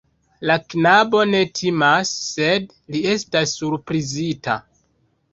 La knabo ne timas, sed li estas surprizita.